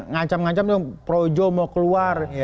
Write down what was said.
ngacam ngacam itu projo mau keluar